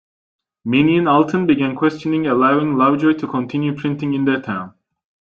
Many in Alton began questioning allowing Lovejoy to continue printing in their town.